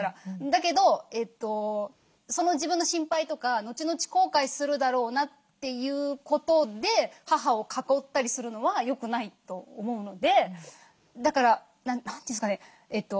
だけどその自分の心配とかのちのち後悔するだろうなということで母を囲ったりするのは良くないと思うのでだから何て言うんですかね